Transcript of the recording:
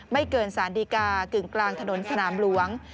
ไม่เกินสารดีกากึ่งกลางถนนสนามหลวง